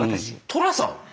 「寅さん」。